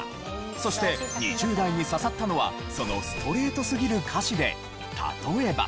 そして２０代に刺さったのはそのストレートすぎる歌詞で例えば。